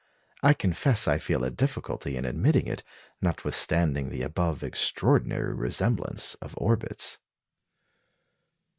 I confess I feel a difficulty in admitting it, notwithstanding the above extraordinary resemblance of orbits."